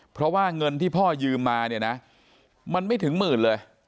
เพราะว่าเงินที่พ่อยืมมาเนี่ยนะมันไม่ถึงหมื่นเลย